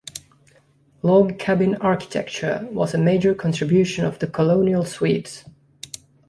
Log cabin architecture was a major contribution of the colonial Swedes.